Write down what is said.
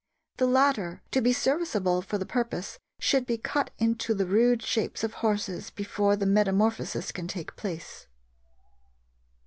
The latter, to be serviceable for the purpose, should be cut into the rude shapes of horses before the metamorphosis can take place.